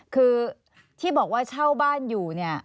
คือที่บอกว่าเช่าบ้านอยู่เนี่ย